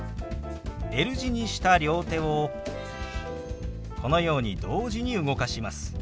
Ｌ字にした両手をこのように同時に動かします。